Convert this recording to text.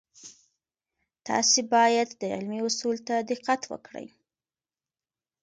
تاسې باید د علمي اصولو ته دقت وکړئ.